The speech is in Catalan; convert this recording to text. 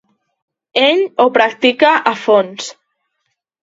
Ell ho practica a fons.